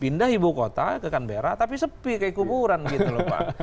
pindah ibu kota ke canberra tapi sepi kayak kuburan gitu loh pak